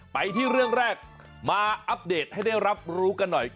ไปที่เรื่องแรกมาอัปเดตให้ได้รับรู้กันหน่อย